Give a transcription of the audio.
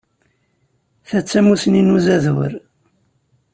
Ta d tamussni n uzadur.